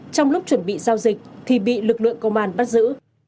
trong lúc chuẩn bị giao dịch thì bị lực lượng công an bắt giữ